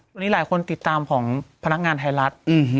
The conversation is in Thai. วันนี้หลายคนติดตามของพนักงานไทยรัฐ